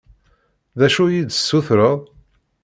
D acu i yi-d-tessutreḍ?